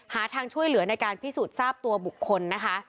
หาทางช่วยเหลือในการพิสูจน์ทราบตัวบุคคลนะคะ